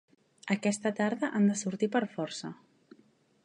Aquesta tarda han de sortir per força.